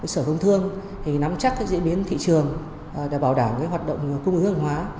sở thông thương nắm chắc các diễn biến thị trường để bảo đảm hoạt động cung ứng hưởng hóa